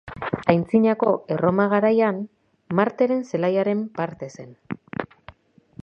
Aintzinako Erroma garaian Marteren zelaiaren parte zen.